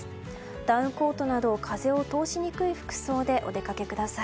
ダウンコートなど風を通しにくい服装でお出かけください。